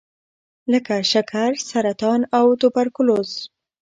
لکه شکر، سرطان او توبرکلوز.